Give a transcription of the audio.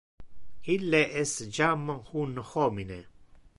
Ille es jam un homine.